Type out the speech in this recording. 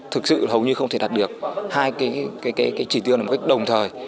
thực sự hầu như không thể đạt được hai cái chỉ tiêu này một cách đồng thời